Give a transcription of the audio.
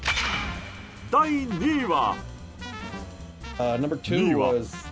第２位は？